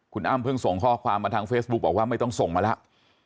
คุณอ้ำเพิ่งส่งข้อความมาทางเฟซบุ๊คบอกว่าไม่ต้องส่งมาแล้ว